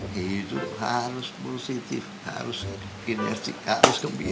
hidup harus positif harus kinerja harus gembira